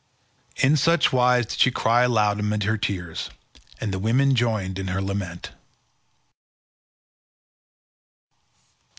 In such wise did she cry aloud amid her tears, and the women joined in her lament.